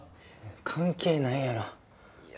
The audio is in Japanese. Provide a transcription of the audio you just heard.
関係ないやろいや